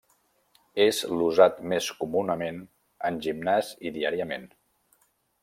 És l'usat més comunament en gimnàs i diàriament.